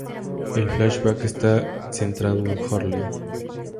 El flashback está centrado en Hurley.